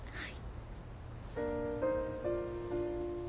はい。